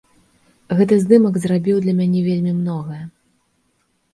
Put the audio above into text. Гэты здымак зрабіў для мяне вельмі многае.